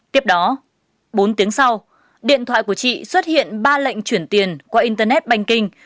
tiếp đó bốn tiếng sau điện thoại của chị xuất hiện ba lệnh chuyển tiền qua internet banking